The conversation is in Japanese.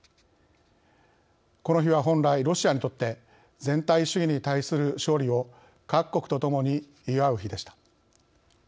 この日は本来ロシアにとって全体主義に対する勝利を各国とともに祝う日でした。